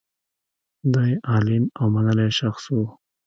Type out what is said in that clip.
دی عالم او منلی شخص و.